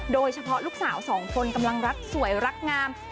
โดยเฉพาะลูกสาวสองคนกำลังรักสวยรักงาม